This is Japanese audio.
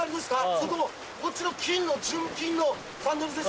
それともこっちの純金のサンダルですか？